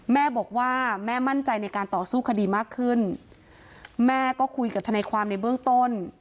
แม่บอกว่าแม่มั่นใจในการต่อสู้คดีมากขึ้นแม่ก็คุยกับทนายความในเบื้องต้น